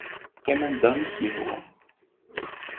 Qqim anda i d ak-yehwa!